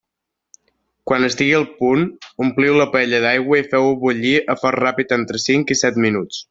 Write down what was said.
Quan estigui al punt, ompliu la paella d'aigua i feu-ho bullir a foc ràpid entre cinc i set minuts.